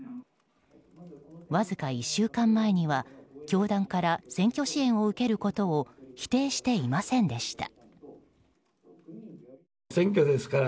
わずか１週間前には教団から選挙支援を受けることを否定していませんでした。